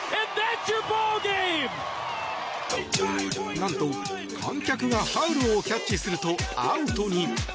なんと観客がファウルをキャッチするとアウトに。